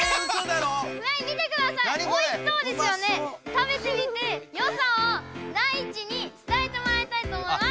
食べてみて良さをダイチに伝えてもらいたいと思います。